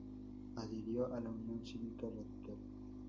Adhirió a la Unión Cívica Radical.